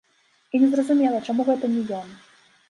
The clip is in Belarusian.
І незразумела, чаму гэта не ён.